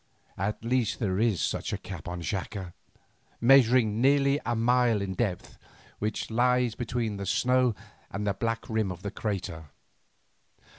At least there is such a cap on Xaca, measuring nearly a mile in depth, which lies between the snow and the black rim of the crater.